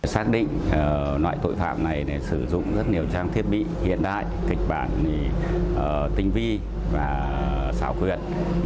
xác định loại tội phạm này sử dụng rất nhiều trang thiết bị hiện đại kịch bản tinh vi và xảo quyệt